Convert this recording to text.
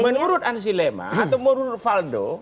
menurut ansi lema atau menurut valdo